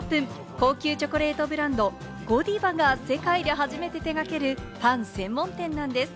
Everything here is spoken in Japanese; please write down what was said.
高級チョコレートブランド・ゴディバが世界で初めて手掛けるパン専門店なんです。